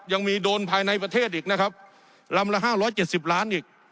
โดนภายในประเทศอีกนะครับลำละ๕๗๐ล้านอีก